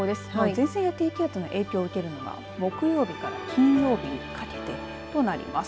前線や低気圧の影響を受けるのが木曜日から金曜日にかけてとなります。